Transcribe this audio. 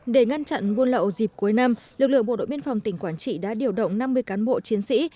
sau các trận buôn lậu dịp cuối năm lực lượng bộ đội biên phòng tỉnh quảng trị đã điều động năm mươi cán bộ chiến sĩ